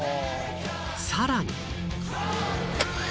さらに